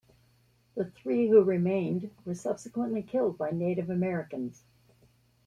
The three who remained were subsequently killed by Native Americans.